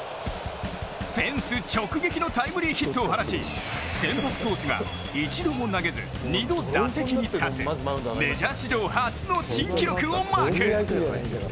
フェンス直撃のタイムリーヒットを放ち先発投手が一度も投げず２度打席に立つメジャー史上初の珍記録をマーク。